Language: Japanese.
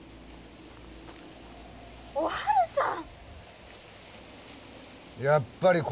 おはるさん